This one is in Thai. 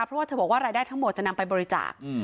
เพราะว่าเธอบอกว่ารายได้ทั้งหมดจะนำไปบริจาค